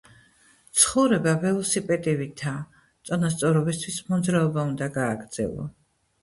ცხოვრება ველოსიპედივითაა — წონასწორობისთვის მოძრაობა უნდა გააგრძელო